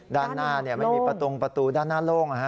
ด้านหน้าไม่มีประตูด้านหน้าโล่ง